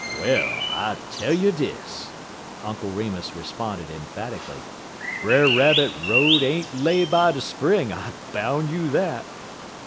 "Well, I tell you dis," Uncle Remus responded emphatically, "Brer Rabbit road ain't lay by de spring; I boun' you dat!"